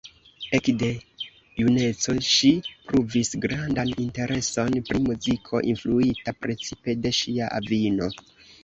Ekde juneco ŝi pruvis grandan intereson pri muziko, influita precipe de ŝia avino.